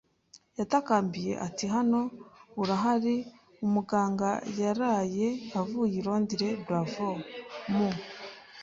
Yatakambiye ati: “Hano urahari, umuganga yaraye avuye i Londres. Bravo! mu